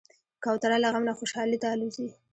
کوتره له غم نه خوشحالي ته الوزي.